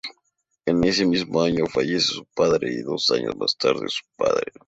En ese mismo año fallece su madre y dos años más tarde su padre.